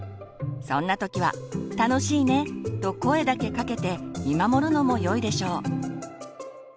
そんな時は「楽しいね」と声だけかけて見守るのもよいでしょう。